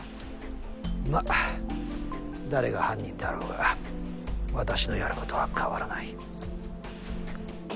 ま誰が犯人であろうが私のやることは変わらない。